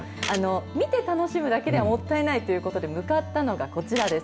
見て楽しむだけではもったいないということで、向かったのがこちらです。